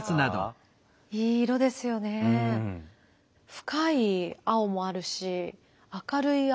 深い青もあるし明るい青も。